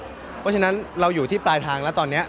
เพราะฉะนั้นเราอยู่ที่ปลายทางแล้วตอนนี้